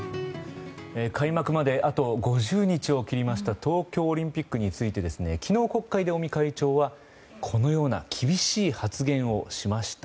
開幕まであと５０日を切りました東京オリンピックについて昨日、国会で尾身会長はこのような厳しい発言をしました。